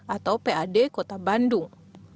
atau pad kota bandung